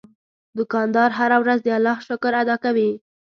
دوکاندار هره ورځ د الله شکر ادا کوي.